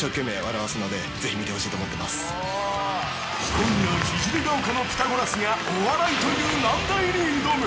［今夜聖ヶ丘のピタゴラスがお笑いという難題に挑む］